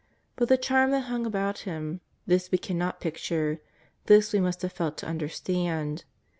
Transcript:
But the charm that hung about Him, this we cannot picture, this we must have felt to understand.